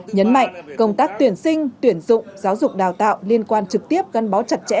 nhấn mạnh công tác tuyển sinh tuyển dụng giáo dục đào tạo liên quan trực tiếp gắn bó chặt chẽ